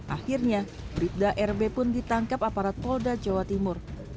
akhirnya bribda rb pun ditangkap aparat polda jawa timur